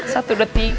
satu dua tih